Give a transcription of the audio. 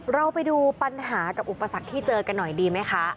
เราไปดูปัญหากับอุปสรรคที่เจอกันหน่อยดีไหมคะ